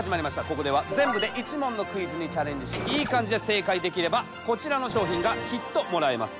ここでは全部で１問のクイズにチャレンジしイイ感じで正解できればこちらの商品がきっともらえます。